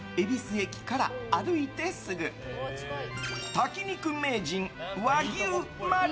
炊き肉名人和牛まる。